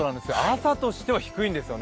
朝としては低いんですよね。